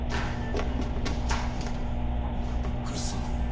来栖さん